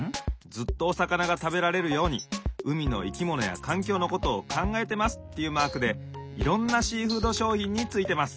・ずっとおさかながたべられるように海のいきものやかんきょうのことをかんがえてますっていうマークでいろんなシーフードしょうひんについてます。